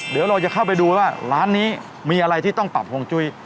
เดี๋ยวเราจะเข้าไปดูว่าร้านนี้มีอะไรที่ต้องปรับฮวงจุ้ย